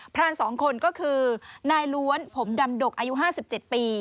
ราน๒คนก็คือนายล้วนผมดำดกอายุ๕๗ปี